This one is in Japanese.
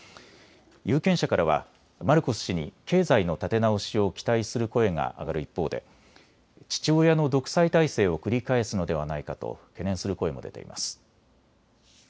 有権者からはマルコス氏に経済の立て直しを期待する声が上がる一方で父親の独裁体制を繰り返すのではないかと懸念する声も出ています。